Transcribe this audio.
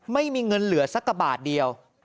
ไม่มีเงินเหลือสักกระบาทเดียว